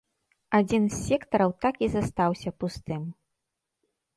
Адзін з сектараў так і застаўся пустым.